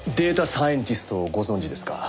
サイエンティストをご存じですか？